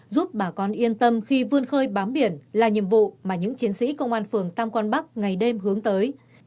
giúp bà con yên tâm khi vươn khơi bám biển là nhiệm vụ mà những chiến sĩ công an phường tam quang bắc ngày đêm hướng tới